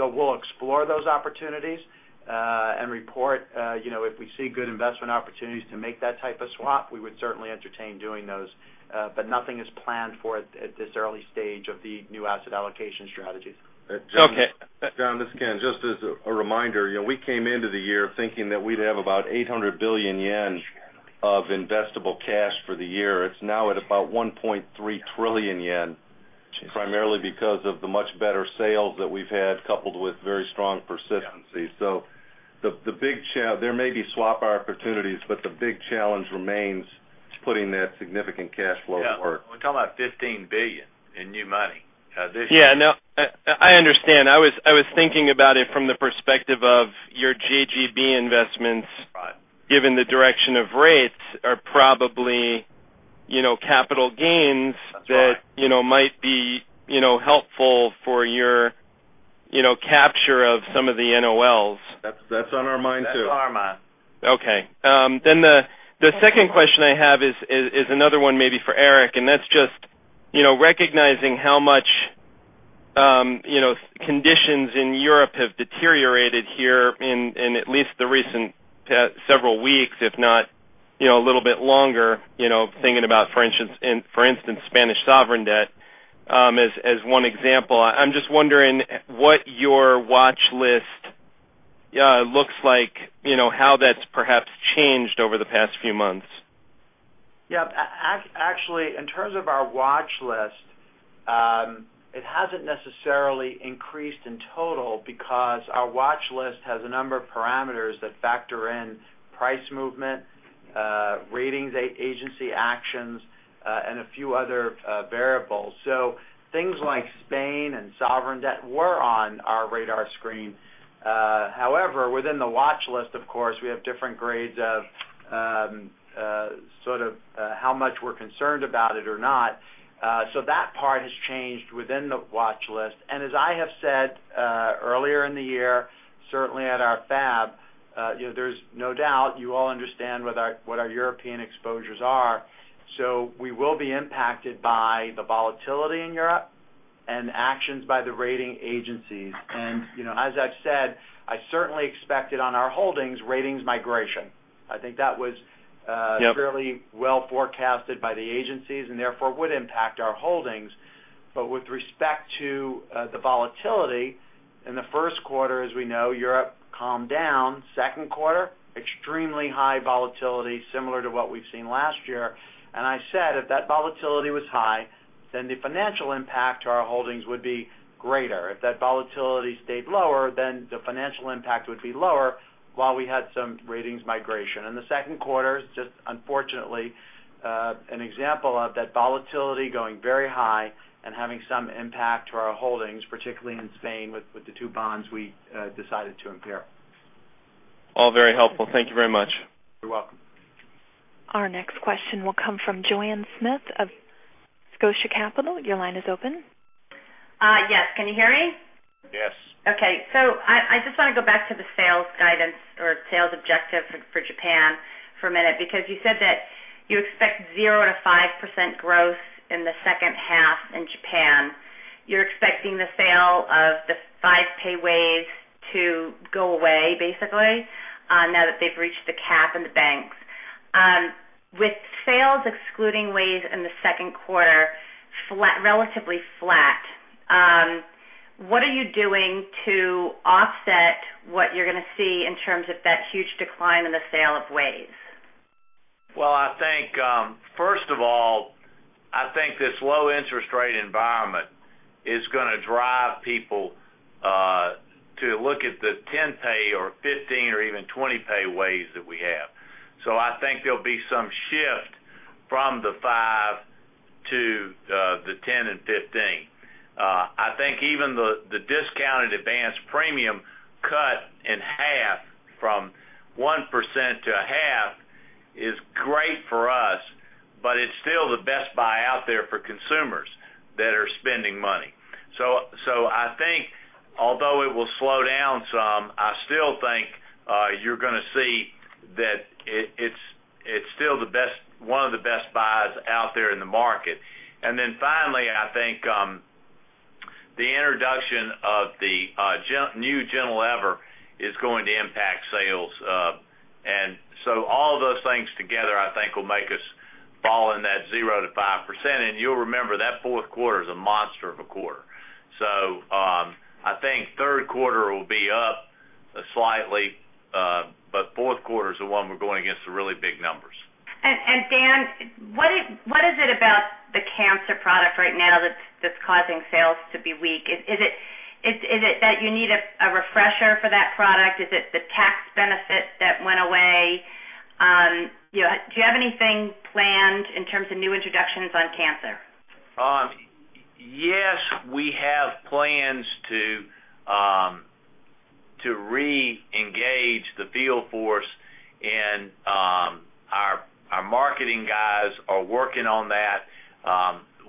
We'll explore those opportunities, and report. If we see good investment opportunities to make that type of swap, we would certainly entertain doing those. Nothing is planned for at this early stage of the new asset allocation strategies. Okay. John, this is Ken. Just as a reminder, we came into the year thinking that we'd have about 800 billion yen of investable cash for the year. It's now at about 1.3 trillion yen, primarily because of the much better sales that we've had, coupled with very strong persistency. There may be swap opportunities, the big challenge remains putting that significant cash flow to work. Yeah. We're talking about 15 billion in new money this year. Yeah, no, I understand. I was thinking about it from the perspective of your JGB investments- Right given the direction of rates are probably capital gains- That's right that might be helpful for your capture of some of the NOLs. That's on our mind, too. That's on our mind. Okay. The second question I have is another one maybe for Eric, and that's just recognizing how much conditions in Europe have deteriorated here in at least the recent several weeks, if not a little bit longer, thinking about, for instance, Spanish sovereign debt as one example. I'm just wondering what your watchlist looks like, how that's perhaps changed over the past few months. Actually, in terms of our watchlist, it hasn't necessarily increased in total because our watchlist has a number of parameters that factor in price movement, ratings agency actions, and a few other variables. Things like Spain and sovereign debt were on our radar screen. However, within the watchlist, of course, we have different grades of how much we're concerned about it or not. That part has changed within the watchlist. As I have said earlier in the year, certainly at our FAB, there's no doubt you all understand what our European exposures are. We will be impacted by the volatility in Europe and actions by the rating agencies. As I've said, I certainly expected on our holdings ratings migration. I think that was. Yep It was fairly well forecasted by the agencies and therefore would impact our holdings. With respect to the volatility in the first quarter, as we know, Europe calmed down. Second quarter, extremely high volatility, similar to what we've seen last year. I said if that volatility was high, then the financial impact to our holdings would be greater. If that volatility stayed lower, then the financial impact would be lower, while we had some ratings migration. In the second quarter, it's just unfortunately an example of that volatility going very high and having some impact to our holdings, particularly in Spain with the two bonds we decided to impair. All very helpful. Thank you very much. You're welcome. Our next question will come from Joanne Smith of Scotia Capital. Your line is open. Yes. Can you hear me? Yes. Okay. I just want to go back to the sales guidance or sales objective for Japan for a minute, because you said that you expect 0%-5% growth in the second half in Japan. You're expecting the sale of the five-pay WAYS to go away, basically, now that they've reached the cap in the banks. With sales excluding WAYS in the second quarter relatively flat, what are you doing to offset what you're going to see in terms of that huge decline in the sale of WAYS? First of all, I think this low interest rate environment is going to drive people to look at the 10-pay or 15-pay or even 20-pay WAYS that we have. I think there'll be some shift from the five to the 10 and 15. I think even the discounted advance premium cut in half from 1% to a half is great for us, but it's still the best buy out there for consumers that are spending money. I think although it will slow down some, I still think you're going to see that it's still one of the best buys out there in the market. Finally, I think the introduction of the new Gentle EVER is going to impact sales. All of those things together, I think will make us fall in that 0%-5%. You'll remember that fourth quarter is a monster of a quarter. I think third quarter will be up slightly, fourth quarter is the one we're going against the really big numbers. Dan, what is it about the cancer product right now that's causing sales to be weak? Is it that you need a refresher for that product? Is it the tax benefit that went away? Do you have anything planned in terms of new introductions on cancer? Yes. We have plans to re-engage the field force, our marketing guys are working on that.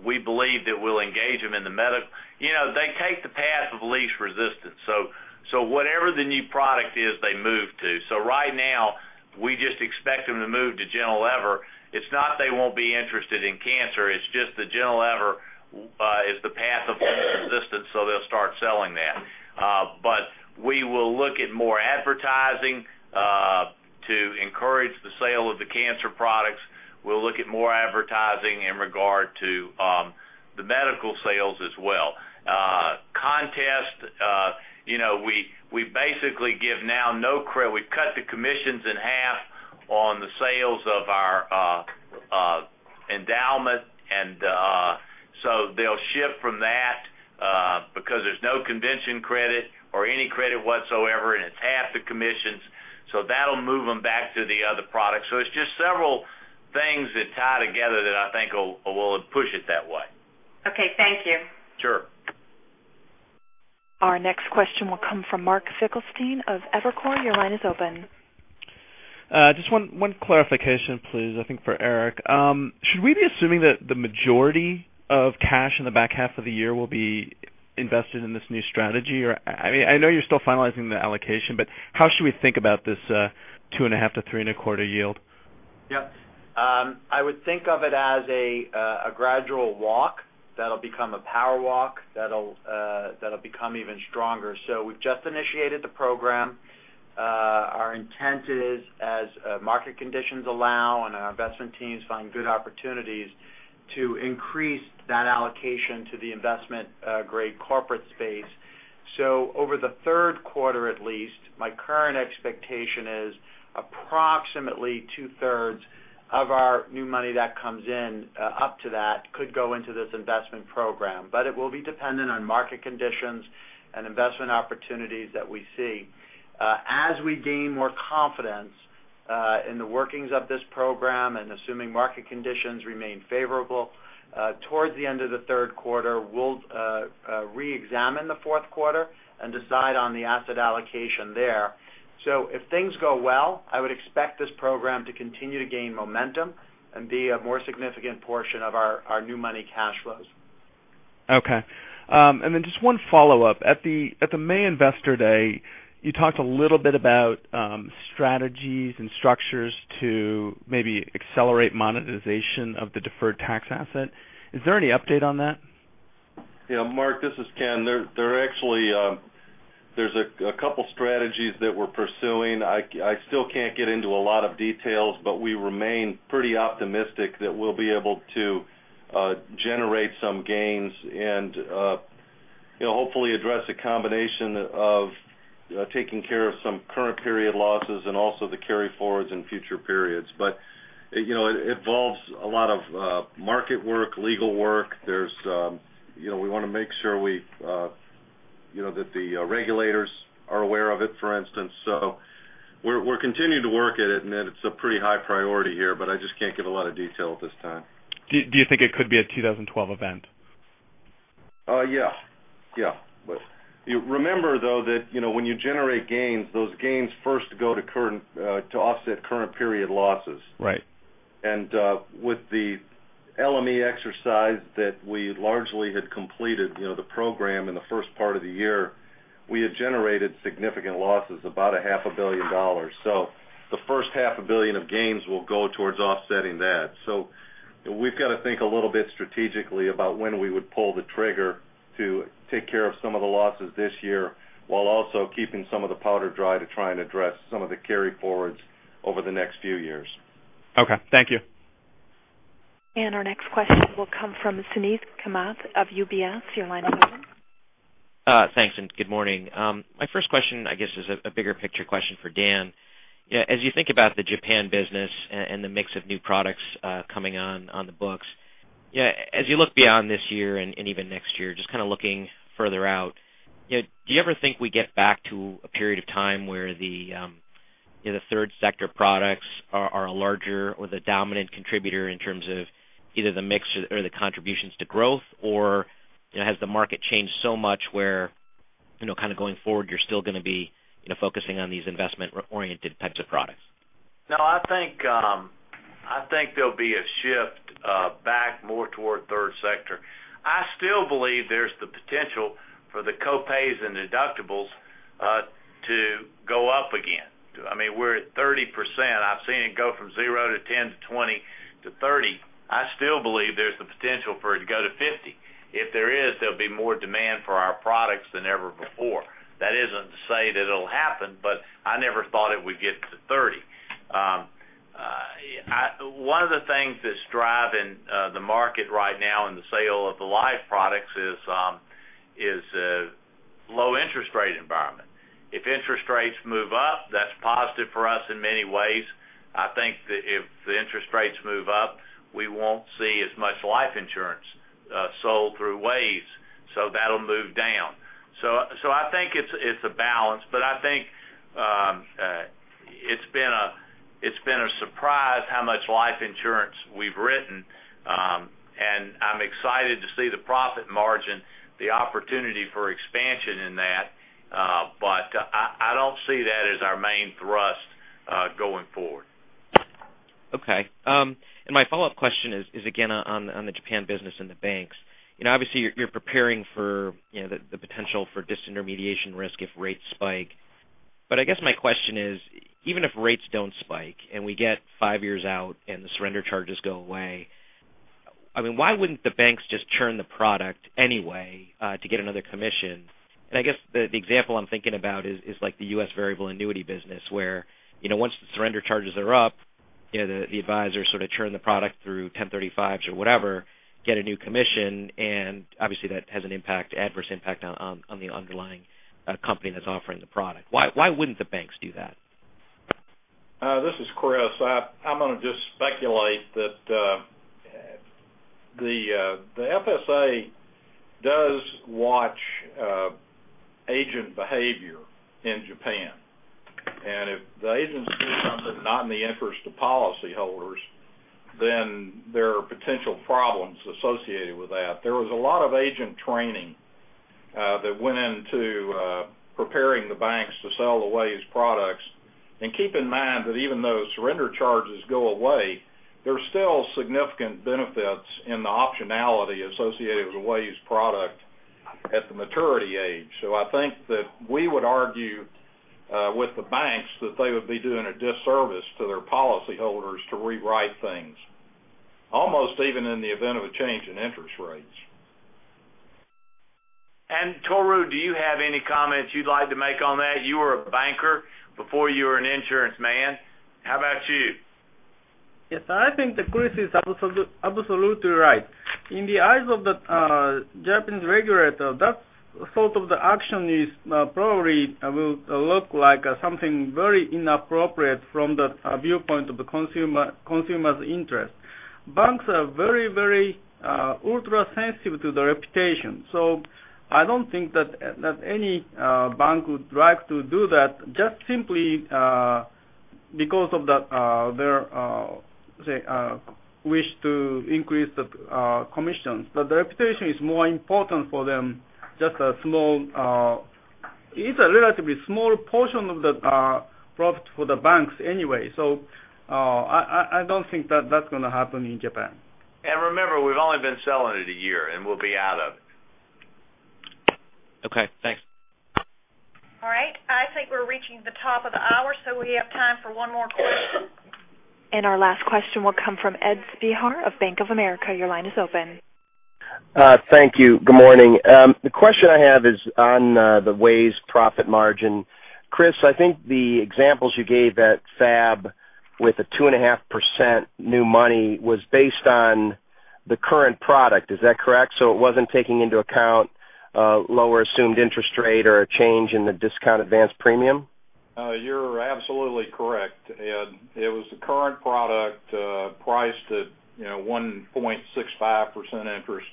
We believe that we'll engage them in the medical. They take the path of least resistance. Whatever the new product is, they move to. Right now we just expect them to move to Gentle EVER. It's not that they won't be interested in cancer, it's just the Gentle EVER is the path of least resistance, so they'll start selling that. We will look at more advertising to encourage the sale of the cancer products. We'll look at more advertising in regard to the medical sales as well. Contests. We basically give now no credit. We cut the commissions in half on the sales of our endowment, they'll shift from that because there's no convention credit or any credit whatsoever, and it's half the commissions. That'll move them back to the other products. It's just several things that tie together that I think will push it that way. Okay. Thank you. Sure. Our next question will come from Mark Finkelstein of Evercore. Your line is open. Just one clarification please, I think for Eric. Should we be assuming that the majority of cash in the back half of the year will be invested in this new strategy? I know you're still finalizing the allocation, but how should we think about this two and a half to three and a quarter yield? Yep. I would think of it as a gradual walk that'll become a power walk, that'll become even stronger. We've just initiated the program. Our intent is as market conditions allow and our investment teams find good opportunities to increase that allocation to the investment grade corporate space. Over the third quarter, at least, my current expectation is approximately two-thirds of our new money that comes in up to that could go into this investment program. It will be dependent on market conditions and investment opportunities that we see. As we gain more confidence in the workings of this program and assuming market conditions remain favorable, towards the end of the third quarter, we'll reexamine the fourth quarter and decide on the asset allocation there. If things go well, I would expect this program to continue to gain momentum and be a more significant portion of our new money cash flows. Okay. Just one follow-up. At the May investor day, you talked a little bit about strategies and structures to maybe accelerate monetization of the deferred tax asset. Is there any update on that? Mark, this is Ken. There's a couple strategies that we're pursuing. I still can't get into a lot of details, but we remain pretty optimistic that we'll be able to generate some gains and hopefully address a combination of taking care of some current period losses and also the carry forwards in future periods. It involves a lot of market work, legal work. We want to make sure that the regulators are aware of it, for instance. We're continuing to work at it, and it's a pretty high priority here, but I just can't give a lot of detail at this time. Do you think it could be a 2012 event? Yeah. Remember though, that when you generate gains, those gains first go to offset current period losses. Right. With the LME exercise that we largely had completed, the program in the first part of the year, we had generated significant losses, about a half a billion dollars. The first half a billion of gains will go towards offsetting that. We've got to think a little bit strategically about when we would pull the trigger to take care of some of the losses this year, while also keeping some of the powder dry to try and address some of the carry forwards over the next few years. Okay. Thank you. Our next question will come from Suneet Kamath of UBS. Your line is open. Thanks, and good morning. My first question, I guess, is a bigger picture question for Dan. As you think about the Japan business and the mix of new products coming on the books, as you look beyond this year and even next year, just kind of looking further out, do you ever think we get back to a period of time where the third sector products are a larger or the dominant contributor in terms of either the mix or the contributions to growth, or has the market changed so much where, kind of going forward, you're still going to be focusing on these investment-oriented types of products? I think there'll be a shift back more toward third sector. I still believe there's the potential for the co-pays and deductibles to go up again. I mean, we're at 30%. I've seen it go from zero to 10 to 20 to 30. I still believe there's the potential for it to go to 50. If there is, there'll be more demand for our products than ever before. That isn't to say that it'll happen, I never thought it would get to 30. One of the things that's driving the market right now in the sale of the life products is low interest rate environment. If interest rates move up, that's positive for us in many ways. I think that if the interest rates move up, we won't see as much life insurance sold through WAYS. That'll move down. I think it's a balance, but I think it's been a surprise how much life insurance we've written. I'm excited to see the profit margin, the opportunity for expansion in that. I don't see that as our main thrust going forward. Okay. My follow-up question is again on the Japan business and the banks. Obviously, you're preparing for the potential for disintermediation risk if rates spike. I guess my question is, even if rates don't spike and we get 5 years out and the surrender charges go away, I mean, why wouldn't the banks just churn the product anyway, to get another commission? I guess the example I'm thinking about is like the U.S. variable annuity business, where once the surrender charges are up, the advisors sort of churn the product through 1035s or whatever, get a new commission, and obviously that has an adverse impact on the underlying company that's offering the product. Why wouldn't the banks do that? This is Kriss. I'm going to just speculate that the FSA does watch agent behavior in Japan. If the agents do something not in the interest of policyholders, then there are potential problems associated with that. There was a lot of agent training that went into preparing the banks to sell the WAYS products. Keep in mind that even though surrender charges go away, there's still significant benefits in the optionality associated with the WAYS product at the maturity age. I think that we would argue with the banks that they would be doing a disservice to their policyholders to rewrite things. Almost even in the event of a change in interest rates. Tohru, do you have any comments you'd like to make on that? You were a banker before you were an insurance man. How about you? Yes, I think that Kriss is absolutely right. In the eyes of the Japanese regulator, that sort of the action probably will look like something very inappropriate from the viewpoint of the consumer's interest. Banks are very, very ultra-sensitive to their reputation. I don't think that any bank would like to do that just simply because of their wish to increase the commissions. The reputation is more important for them. It's a relatively small portion of the profit for the banks anyway. I don't think that's going to happen in Japan. Remember, we've only been selling it a year, and we'll be out of it. Okay, thanks. All right. I think we're reaching the top of the hour, we have time for one more question. Our last question will come from Ed Spehar of Bank of America. Your line is open. Thank you. Good morning. The question I have is on the WAYS profit margin. Kriss, I think the examples you gave at FAB with the 2.5% new money was based on the current product. Is that correct? It wasn't taking into account a lower assumed interest rate or a change in the discount advance premium? You're absolutely correct, Ed. It was the current product priced at 1.65% interest.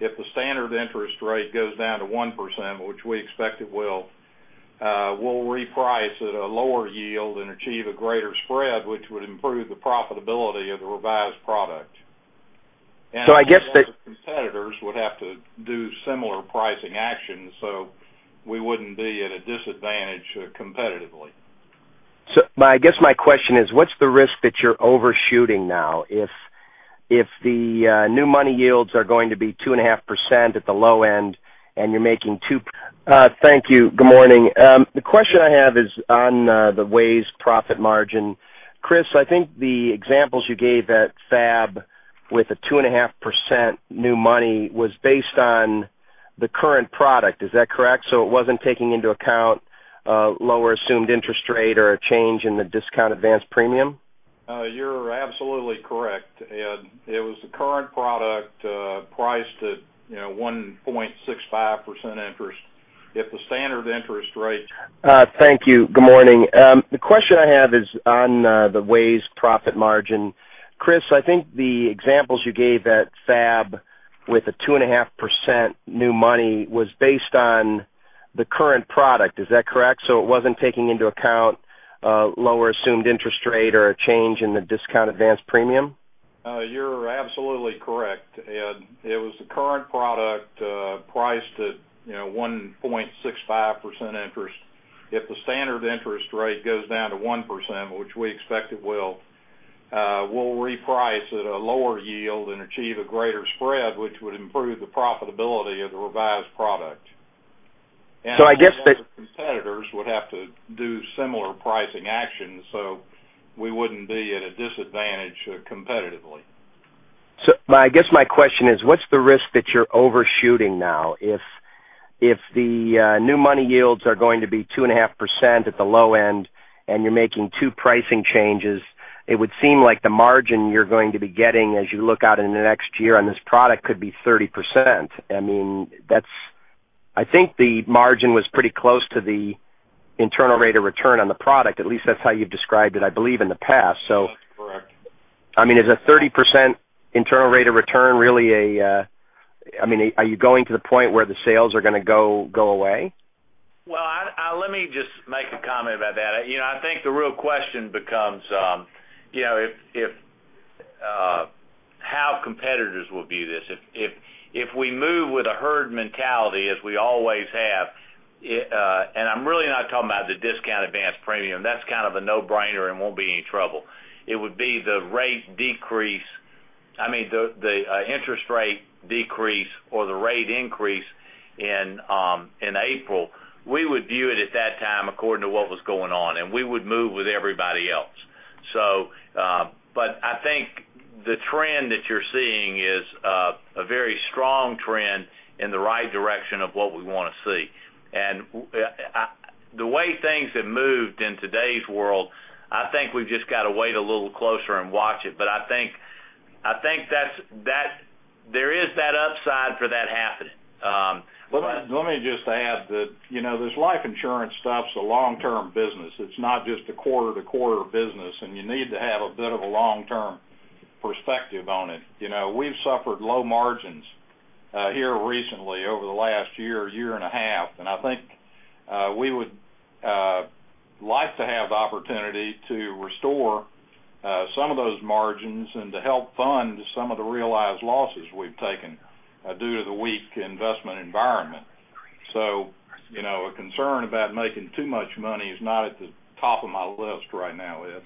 If the standard interest rate goes down to 1%, which we expect it will, we'll reprice at a lower yield and achieve a greater spread, which would improve the profitability of the revised product. I guess. A lot of competitors would have to do similar pricing actions, so we wouldn't be at a disadvantage competitively. I guess my question is, what's the risk that you're overshooting now if the new money yields are going to be 2.5% at the low end and you're making. Thank you. Good morning. The question I have is on the WAYS profit margin, Kriss. I think the examples you gave at FAB with a 2.5% new money was based on the current product, is that correct? It wasn't taking into account a lower assumed interest rate or a change in the discount advance premium? You're absolutely correct. It was the current product priced at 1.65% interest. If the standard interest rate. Thank you. Good morning. The question I have is on the WAYS profit margin, Kriss. I think the examples you gave at FAB with a 2.5% new money was based on the current product, is that correct? It wasn't taking into account a lower assumed interest rate or a change in the discount advance premium? You're absolutely correct. It was the current product priced at 1.65% interest. If the standard interest rate goes down to 1%, which we expect it will, we'll reprice at a lower yield and achieve a greater spread, which would improve the profitability of the revised product. I guess. Most of the competitors would have to do similar pricing actions, so we wouldn't be at a disadvantage competitively. I guess my question is, what's the risk that you're overshooting now? If the new money yields are going to be 2.5% at the low end and you're making two pricing changes, it would seem like the margin you're going to be getting as you look out into the next year on this product could be 30%. I think the margin was pretty close to the internal rate of return on the product, at least that's how you've described it, I believe, in the past. That's correct. Is a 30% internal rate of return really? Are you going to the point where the sales are going to go away? Well, let me just make a comment about that. I think the real question becomes how competitors will view this. If we move with a herd mentality, as we always have, and I'm really not talking about the discount advance premium, that's kind of a no-brainer and won't be any trouble. It would be the interest rate decrease or the rate increase in April. We would view it at that time according to what was going on, and we would move with everybody else. I think the trend that you're seeing is a very strong trend in the right direction of what we want to see. The way things have moved in today's world, I think we've just got to wait a little closer and watch it. I think there is that upside for that happening. Let me just add that this life insurance stuff's a long-term business. It's not just a quarter-to-quarter business, and you need to have a bit of a long-term perspective on it. We've suffered low margins here recently over the last year and a half, and I think we would like to have the opportunity to restore some of those margins and to help fund some of the realized losses we've taken due to the weak investment environment. A concern about making too much money is not at the top of my list right now, Ed.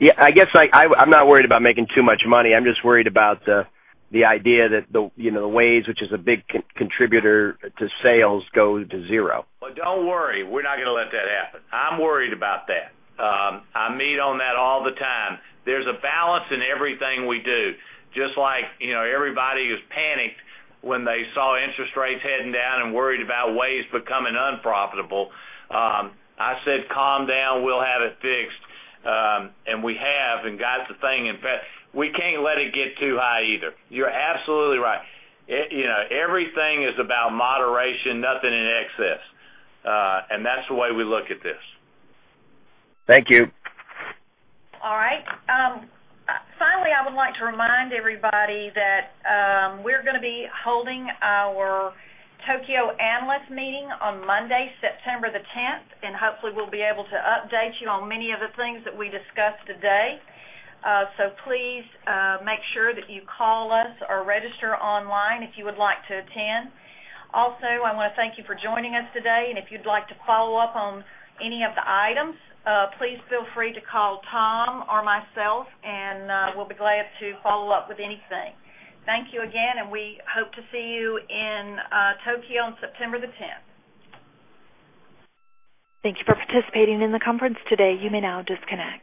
Yeah, I guess I'm not worried about making too much money. I'm just worried about the idea that the WAYS, which is a big contributor to sales, go to zero. Don't worry, we're not going to let that happen. I'm worried about that. I meet on that all the time. There's a balance in everything we do. Just like, everybody was panicked when they saw interest rates heading down and worried about WAYS becoming unprofitable. I said, "Calm down, we'll have it fixed," and we have and got the thing in We can't let it get too high either. You're absolutely right. Everything is about moderation, nothing in excess. That's the way we look at this. Thank you. Finally, I would like to remind everybody that we're going to be holding our Tokyo analyst meeting on Monday, September the 10th, and hopefully we'll be able to update you on many of the things that we discussed today. Please make sure that you call us or register online if you would like to attend. Also, I want to thank you for joining us today, and if you'd like to follow up on any of the items, please feel free to call Tom or myself, and we'll be glad to follow up with anything. Thank you again, and we hope to see you in Tokyo on September the 10th. Thank you for participating in the conference today. You may now disconnect.